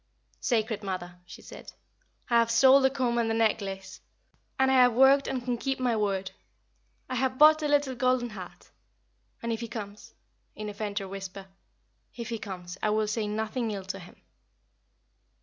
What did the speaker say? "Sacred Mother," she said, "I have sold the comb and the necklace, and I have worked and can keep my word. I have bought a little golden heart. And if he comes" in a fainter whisper "if he comes I will say nothing ill to him."